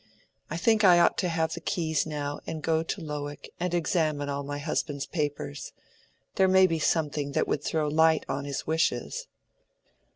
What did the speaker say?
I think I ought to have the keys now and go to Lowick to examine all my husband's papers. There may be something that would throw light on his wishes."